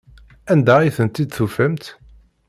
Anda ay tent-id-tufamt?